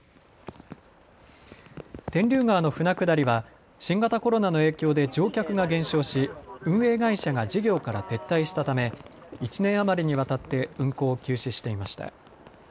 天竜川の舟下りは新型コロナの影響で乗客が減少し運営会社が事業から撤退したため１年余りにわたって運航を休止していました。